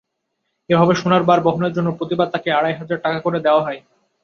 এভাবে সোনার বার বহনের জন্য প্রতিবার তাঁকে আড়াইহাজার টাকা করে দেওয়া হয়।